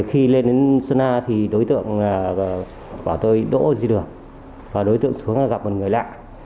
khi lên đến xuân a thì đối tượng bảo tôi đỗ đi đường và đối tượng xuống gặp một người lạ